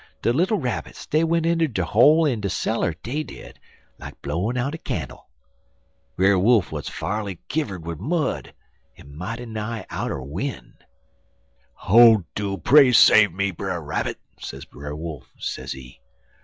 De little Rabbits dey went inter dere hole in de cellar, dey did, like blowin' out a cannle. Brer Wolf Wuz far'ly kivver'd wid mud, en mighty nigh outer win'. "'Oh, do pray save me, Brer Rabbit!' sez Brer Wolf, sezee.